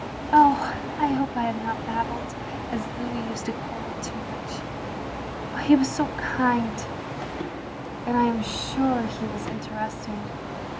"Oh! I hope I have not babbled — as Louis used to call it — ^too much. But he was so kind, and I am sure he was interested.